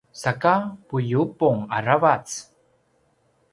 saka puiyubung aravac